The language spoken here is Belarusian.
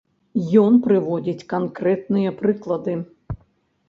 Ён прыводзіць канкрэтныя прыклады.